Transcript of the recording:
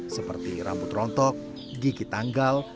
seperti rambut rontok gigi tanggal